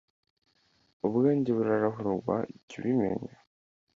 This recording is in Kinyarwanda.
Ubwenge burarahurwa jy’ubimenya